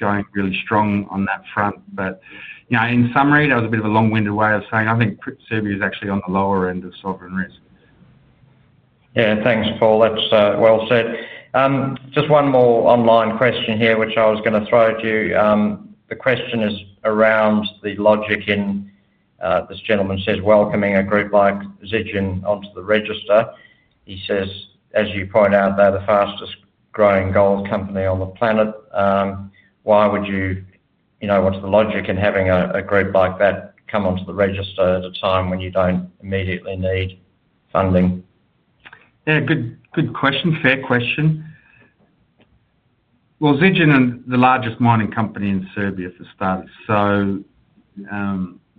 going really strong on that front. In summary, that was a bit of a long-winded way of saying I think Serbia is actually on the lower end of sovereign risk. Yeah, thanks, Paul. That's well said. Just one more online question here, which I was going to throw at you. The question is around the logic in, this gentleman says, welcoming a group like Zijin Mining onto the register. He says, as you point out, they're the fastest growing gold company on the planet. Why would you, you know, what's the logic in having a group like that come onto the register at a time when you don't immediately need funding? Good question, fair question. Zijin Mining is the largest mining company in Serbia for starters.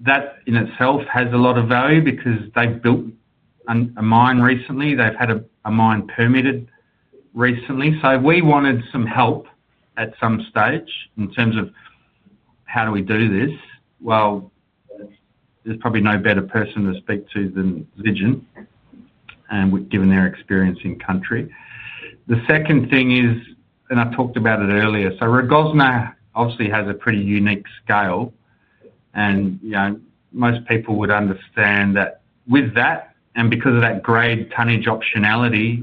That in itself has a lot of value because they've built a mine recently. They've had a mine permitted recently. We wanted some help at some stage in terms of how do we do this. There's probably no better person to speak to than Zijin Mining, given their experience in country. The second thing is, and I talked about it earlier, Rogozna obviously has a pretty unique scale. Most people would understand that with that, and because of that grade tonnage optionality,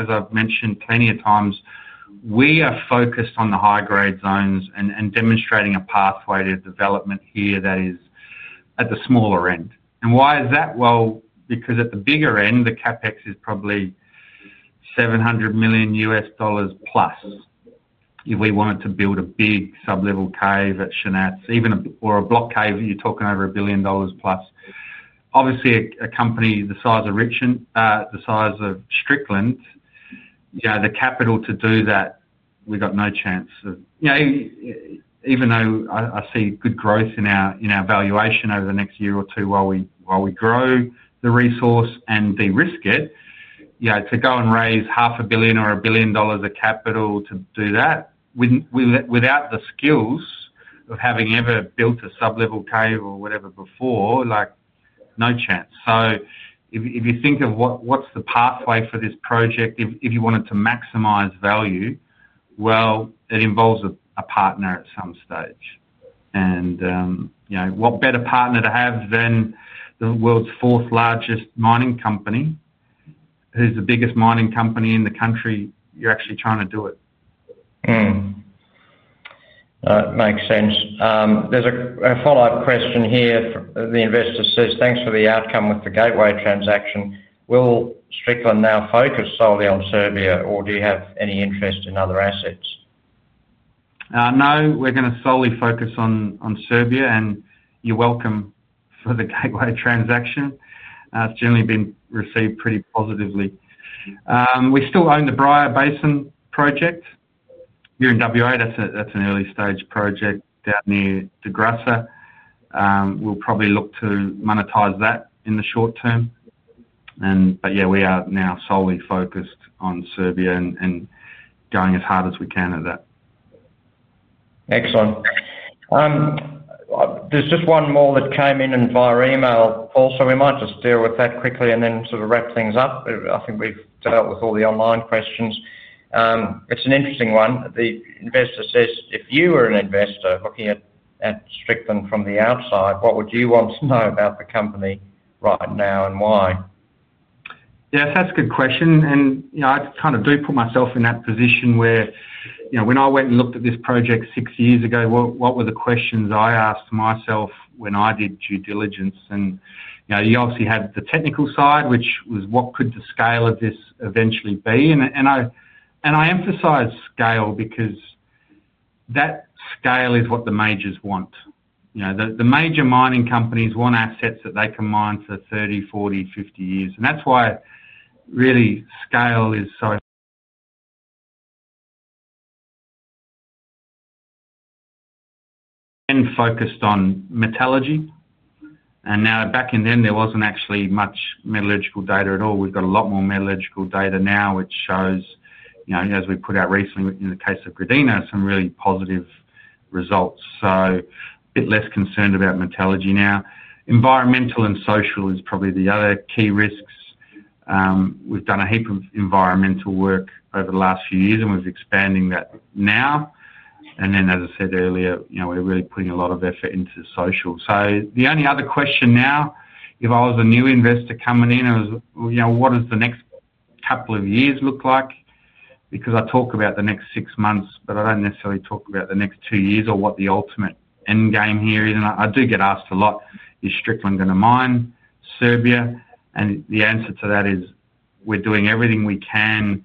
as I've mentioned plenty of times, we are focused on the high-grade zones and demonstrating a pathway to development here that is at the smaller end. Why is that? At the bigger end, the CapEx is probably $700+ million. If we wanted to build a big sub-level cave at Shanac, even a block cave, you're talking over $1+ billion. Obviously, a company the size of Strickland, the capital to do that, we've got no chance of, even though I see good growth in our valuation over the next year or two while we grow the resource and de-risk it, to go and raise $500,000,000 or a billion dollars of capital to do that, without the skills of having ever built a sub-level cave or whatever before, like no chance. If you think of what's the pathway for this project, if you wanted to maximize value, it involves a partner at some stage. What better partner to have than the world's fourth largest mining company, who's the biggest mining company in the country you're actually trying to do it. Makes sense. There's a follow-up question here. The investor says, "Thanks for the outcome with the Gateway transaction. Will Strickland now focus solely on Serbia, or do you have any interest in other assets? No, we're going to solely focus on Serbia, and you're welcome for the Gateway transaction. It's generally been received pretty positively. We still own the Bryah Basin project here in Western Australia. That's an early stage project out near [Degrasa]. We'll probably look to monetize that in the short term. Yeah, we are now solely focused on Serbia and going as hard as we can at that. Excellent. There's just one more that came in via email. We might just deal with that quickly and then sort of wrap things up. I think we've set out with all the online questions. It's an interesting one. The investor says, "If you were an investor looking at Strickland Metals Limited from the outside, what would you want to know about the company right now and why? Yes, that's a good question. I kind of do put myself in that position where, you know, when I went and looked at this project six years ago, what were the questions I asked myself when I did due diligence? You obviously have the technical side, which was what could the scale of this eventually be? I emphasize scale because that scale is what the majors want. The major mining companies want assets that they can mine for 30, 40, 50 years. That's why really scale is so important. I focused on metallurgy. Back then, there wasn't actually much metallurgical data at all. We've got a lot more metallurgical data now, which shows, as we put out recently in the case of Gradina, some really positive results. I'm a bit less concerned about metallurgy now. Environmental and social is probably the other key risks. We've done a heap of environmental work over the last few years, and we're expanding that now. As I said earlier, we're really putting a lot of effort into the social. The only other question now, if I was a new investor coming in, is, you know, what does the next couple of years look like? I talk about the next six months, but I don't necessarily talk about the next two years or what the ultimate end game here is. I do get asked a lot, is Strickland Metals Limited going to mine Serbia? The answer to that is we're doing everything we can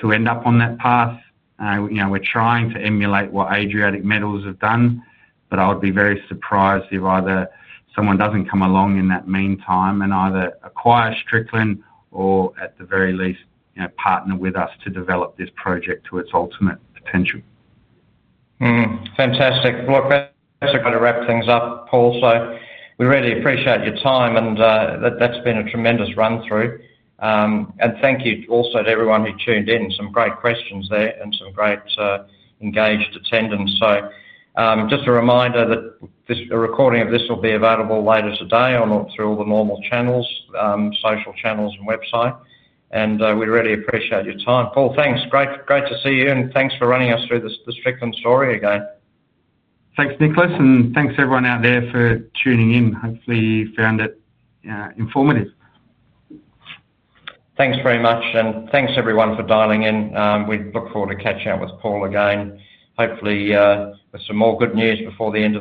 to end up on that path. We're trying to emulate what Adriatic Metals have done, but I would be very surprised if either someone doesn't come along in that meantime and either acquire Strickland Metals Limited or at the very least, partner with us to develop this project to its ultimate potential. Fantastic. We've got to wrap things up, Paul. We really appreciate your time, and that's been a tremendous run-through. Thank you also to everyone who tuned in. Some great questions there and some great engaged attendance. Just a reminder that this recording of this will be available later today through all the normal channels, social channels, and website. We really appreciate your time. Paul, thanks. Great to see you, and thanks for running us through the Strickland story again. Thanks, Nicholas, and thanks everyone out there for tuning in. Hopefully, you found it informative. Thanks very much, and thanks everyone for dialing in. We look forward to catching up with Paul again, hopefully with some more good news before the end.